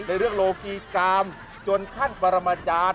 ได้เลือกโลกีกามจนขั้นบรรมจาน